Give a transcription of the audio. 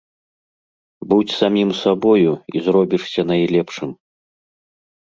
Будзь самім сабою і зробішся найлепшым.